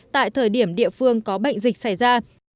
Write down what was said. tại thời điểm địa phương có bệnh dịch xảy ra